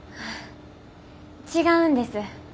違うんです。